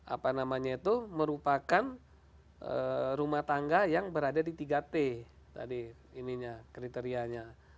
apa namanya itu merupakan rumah tangga yang berada di tiga t tadi ininya kriterianya